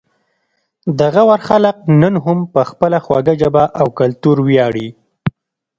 د غور خلک نن هم په خپله خوږه ژبه او کلتور ویاړي